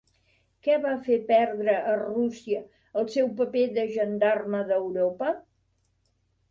Què va fer perdre a Rússia el seu paper de gendarme d'Europa?